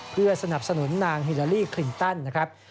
เพื่อสนับสนุนนางฮิลาลีคลินตันนะครับ